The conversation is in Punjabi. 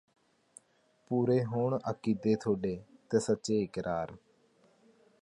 ਪੂਰੇ ਹੋਣ ਆਕੀਦੇ ਥੋਡੇ ਤੇ ਸੱਚੇ ਇਕਰਾਰ